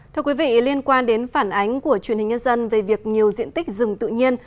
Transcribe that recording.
thưa quý vị liên quan đến phản ánh của truyền hình nhân dân về việc nhiều diện tích rừng tự nhiên